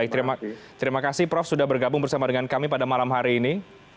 baik terima kasih prof sudah bergabung bersama dengan kami pada malam hari ini